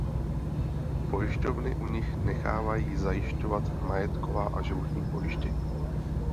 Pojišťovny u nich nechávají zajišťovat majetková a životní pojištění.